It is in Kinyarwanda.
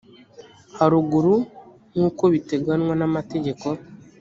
haruguru nk uko biteganywa n amategeko